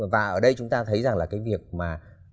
và ở đây chúng ta thấy rằng là cái việc mà